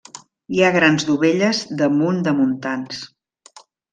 Hi ha grans dovelles damunt de muntants.